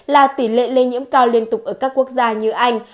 là tỷ lệ lây nhiễm cao liên tục ở các quốc gia như anh